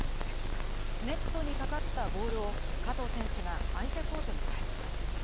ネットにかかったボールを加藤選手が相手コートに返します。